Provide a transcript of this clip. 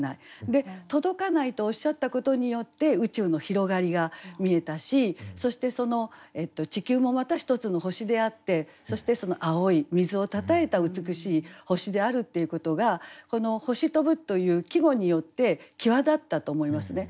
で届かないとおっしゃったことによって宇宙の広がりが見えたしそして地球もまた一つの星であってそして青い水をたたえた美しい星であるっていうことがこの「星飛ぶ」という季語によって際立ったと思いますね。